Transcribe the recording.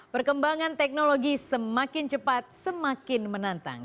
perkembangan teknologi semakin cepat semakin menantang